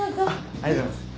ありがとうございます。